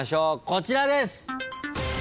こちらです。